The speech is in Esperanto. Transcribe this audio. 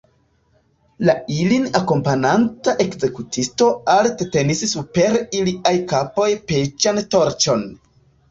La ilin akompananta ekzekutisto alte tenis super iliaj kapoj peĉan torĉon.